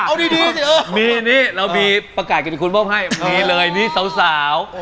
เอาดีสิมีนี่เรามีประกาศกิติคุณมอบให้มีเลยนี่สาว